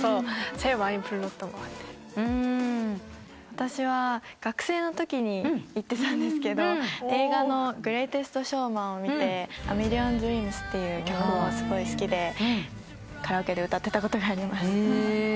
私は学生のときに行ってたんですけど映画の『グレイテスト・ショーマン』を見て『ＡＭｉｌｌｉｏｎＤｒｅａｍｓ』っていう曲がすごい好きでカラオケで歌ってたことがあります。